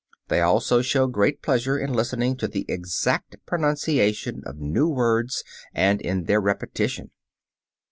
They also show great pleasure in listening to the exact pronunciation of new words and in their repetition.